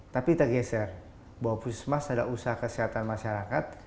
tapi kita geser bahwa pusat semestinya adalah usaha kesehatan masyarakat